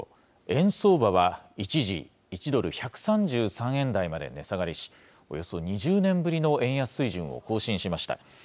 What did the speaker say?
円相場は一時、１ドル１３３円台まで値下がりし、およそ２０年ぶりの円安水準を更新しました。